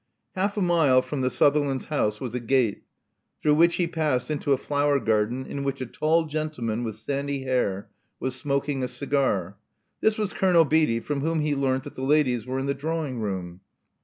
Half a mile from the Sutherlands' house was a gate, though which he passed into a flower garden, in which a tall gentleman with sandy hair was smoking a cigar. This was Colonel Beatty, from whom he learnt that the ladies were in the drawing room.